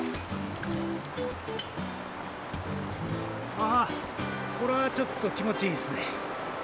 あー、これはちょっと気持ちいいですね。